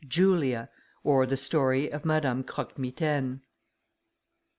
JULIA; OR THE STORY OF MADAME CROQUE MITAINE.